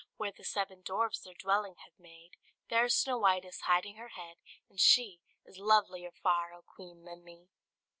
Where the seven dwarfs their dwelling have made. There Snow White is hiding her head; and she Is lovelier far, O Queen, than thee."